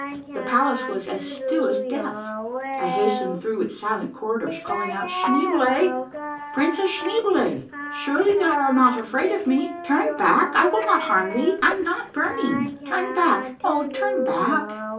The palace was as still as death. I hastened through its silent corridors calling out, —" Schneeboule ! Princess Schneeboule ! Surely thou art not afraid of me ? Turn back, I will not harm thee. I'm not burn ing ! Turn back, oh, turn back